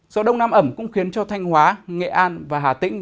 gió đông nam ẩm cũng khiến cho thanh hóa nghệ an và hà tĩnh